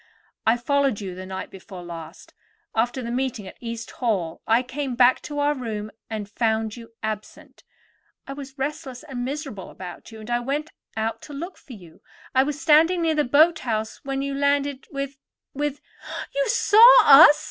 I followed you the night before last. After the meeting at East Hall I came back to our room and found you absent. I was restless and miserable about you, and I went out to look for you. I was standing near the boat house when you landed with—with——" "You saw us?"